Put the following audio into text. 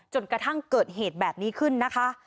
จนกระทั่งเกิดเหตุแบบนี้ขึ้นนะคะ